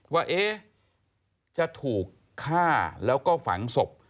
ว่าจะถูกฆ่าแล้วก็ฝังศพ